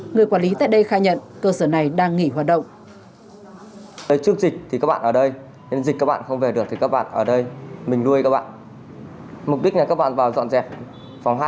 người quản lý tại đây khai nhận cơ sở này đang nghỉ hoạt động